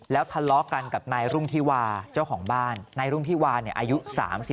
แล้วฆาตกันกับนายรุ่งฐิวาเจ้าของ้านนายรุ่งฐิวาอายุ๓๙ปี